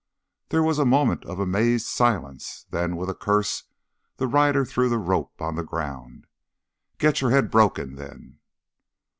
There was a moment of amazed silence; then, with a curse, the rider threw the rope on the ground. "Get your head broke then!"